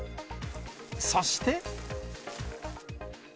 そして。